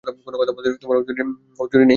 কোনো কথা ভুলতে ওর জুড়ি নেই।